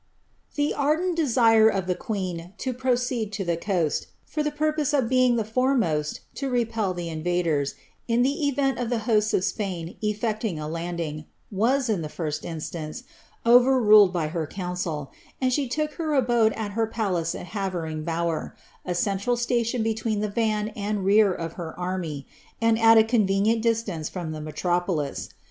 The ardent desire of the queen to proceed to the coast, for the pur poee of being the foremost to repel the invaders, in the event of the hosts of Spain efilecting a landing, was, in the first instance, overruled by her council, and she took up her abode at her palace of Havering Bower, a central station between the van and rear of her army, and at a convenient distance from the metropolis.